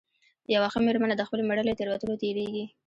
یوه ښه مېرمنه د خپل مېړه له تېروتنو تېرېږي.